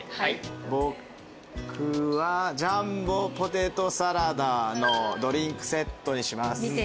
僕はジャンボポテトサラダのドリンクセットにします。